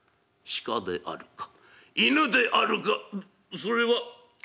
「鹿であるか犬であるか」。